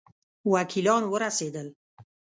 وکیلان ورسېدل.